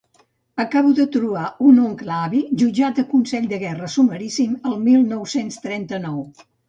Acabo de trobar un oncle avi jutjat a consell de guerra sumaríssim el mil nou-cents trenta-nou.